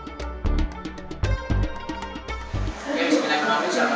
konsepnya adanya berkata al quran